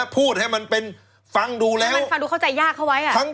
พูดให้มันเป็นฟังดูแล้วมันฟังดูเข้าใจยากเข้าไว้อ่ะ